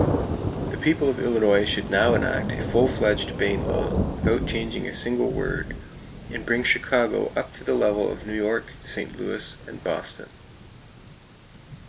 The people of Illinois should now enact a full fledged Bayne law, without changing a single word, and bring Chicago up to the level of New York, St. Louis and Boston.